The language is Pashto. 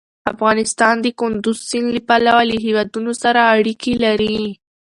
افغانستان د کندز سیند له پلوه له هېوادونو سره اړیکې لري.